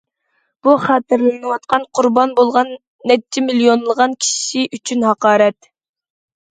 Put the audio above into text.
بۇ خاتىرىلىنىۋاتقان قۇربان بولغان نەچچە مىليونلىغان كىشى ئۈچۈن ھاقارەت.